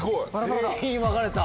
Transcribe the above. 全員分かれた。